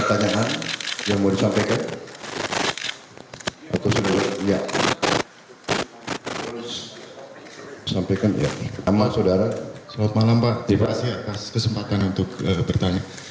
terima kasih atas kesempatan untuk bertanya